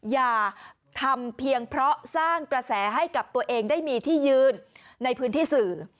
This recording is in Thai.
อย่าทำเพียงเพราะสร้างกระแสให้กับตัวเองได้มีที่ยืนในพื้นที่สื่อ